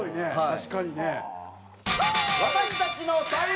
確かにね。